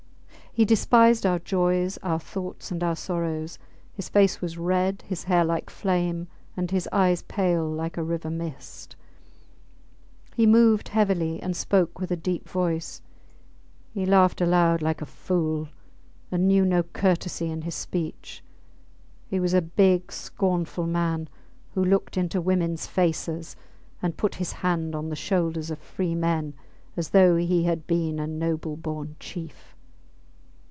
He despised our joys, our thoughts, and our sorrows. His face was red, his hair like flame, and his eyes pale, like a river mist; he moved heavily, and spoke with a deep voice; he laughed aloud like a fool, and knew no courtesy in his speech. He was a big, scornful man, who looked into womens faces and put his hand on the shoulders of free men as though he had been a noble born chief.